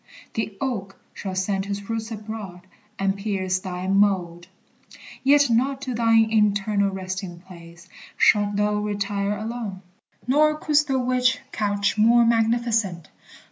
The oak Shall send his roots abroad, and pierce thy mold. Yet not to thine eternal resting place Shalt thou retire alone, nor couldst thou wish Couch more magnificent.